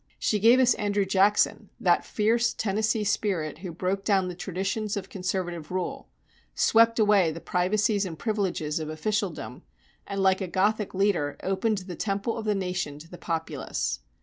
She gave us Andrew Jackson, that fierce Tennessee spirit who broke down the traditions of conservative rule, swept away the privacies and privileges of officialdom, and, like a Gothic leader, opened the temple of the nation to the populace.